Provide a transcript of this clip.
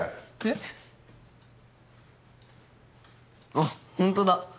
あっホントだ。